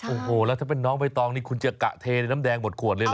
โอ้โหแล้วถ้าเป็นน้องใบตองนี่คุณจะกะเทน้ำแดงหมดขวดเลยเห